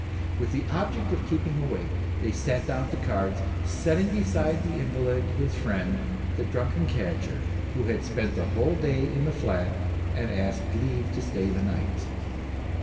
With the object of keeping awake, they sat down to cards, setting beside the invalid his friend, the drunken cadger, who had spent the whole day in the flat and had asked leave to stay the night.